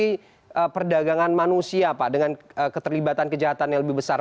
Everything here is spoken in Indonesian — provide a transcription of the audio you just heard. dari perdagangan manusia pak dengan keterlibatan kejahatan yang lebih besar